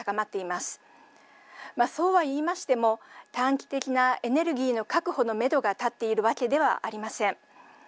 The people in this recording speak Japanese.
まあそうは言いましても短期的なエネルギーの確保のめどが立っているわけではありません。